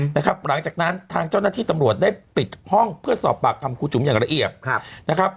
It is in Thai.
หลังจากนั้นทางเจ้าหน้าที่ตำรวจได้ปิดห้องเพื่อสอบปากคำครูจุ๋มอย่างละเอียดนะครับ